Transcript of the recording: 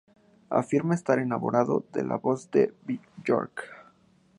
Afirma "estar enamorado" de la voz de Björk.